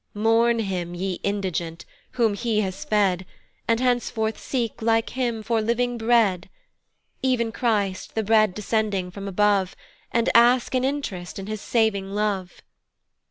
"Mourn him, ye indigent, whom he has fed, "And henceforth seek, like him, for living bread; "Ev'n Christ, the bread descending from above, "And ask an int'rest in his saving love.